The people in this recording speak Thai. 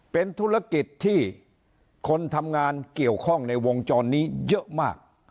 เป็นธุรกิจที่คนทำงานเกี่ยวข้องในวงจรนี้เยอะมาก